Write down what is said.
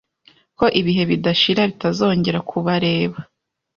Ko Ibihe bidashira bitazongera kubareba "